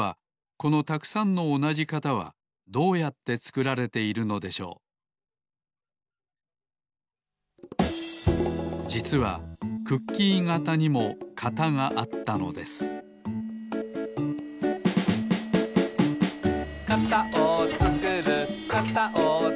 このたくさんのおなじ型はどうやってつくられているのでしょうじつはクッキー型にも型があったのですヘムヘムヘムヘムヘムヘム。